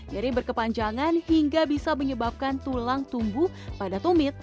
dari berkepanjangan hingga bisa menyebabkan tulang tumbuh pada tumit